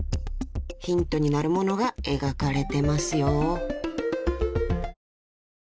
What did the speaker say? ［ヒントになるものが描かれてますよ］